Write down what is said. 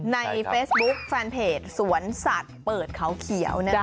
ในเฟซบุ๊คแฟนเพจสวนสัตว์เปิดเขาเขียวนะจ๊